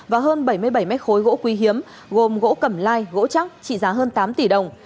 và hơn bảy mươi bảy mét khối gỗ quý hiếm gồm gỗ cẩm lai gỗ chắc trị giá hơn tám tỷ đồng